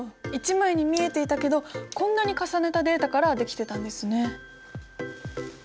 １枚に見えていたけどこんなに重ねたデータから出来てたんですね。